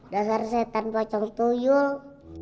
dasar setan pacong tuyul